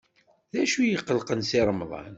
D acu i iqellqen Si Remḍan?